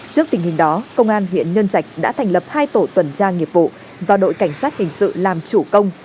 trước tình hình đó công an huyện nhân trạch đã thành lập hai tổ tuần tra nghiệp vụ do đội cảnh sát hình sự làm chủ công